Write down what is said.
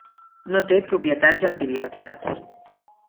No té propietats antibiòtiques.